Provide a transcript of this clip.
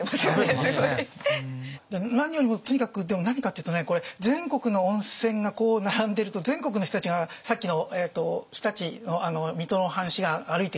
何よりもとにかく何かっていうとね全国の温泉が並んでると全国の人たちがさっきの常陸の水戸の藩士が歩いていくって。